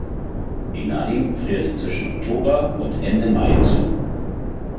Die Nadym friert zwischen Oktober und Ende Mai zu.